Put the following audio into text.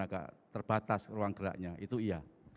agak terbatas ruang geraknya itu iya